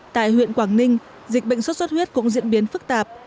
tại huyện quảng ninh dịch bệnh xuất xuất huyết cũng diễn biến phức tạp